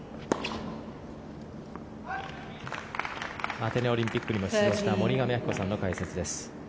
アテネオリンピックにも出場した森上亜希子さんの解説です。